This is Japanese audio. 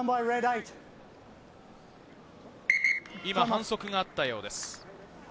今、反則があったようです。